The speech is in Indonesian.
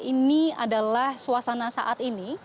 ini adalah suasana saat ini